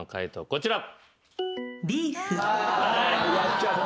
こちら。